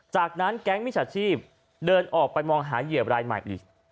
จากนั้นแก๊งมิจฉาชีพเดินออกไปมองหาเหยียบรายใหม่อีก